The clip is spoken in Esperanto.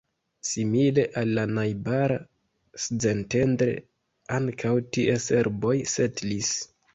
Simile al la najbara Szentendre, ankaŭ tie serboj setlis.